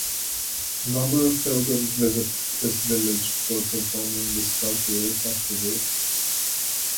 Number of pilgrims visit this village for performing this cultural festival.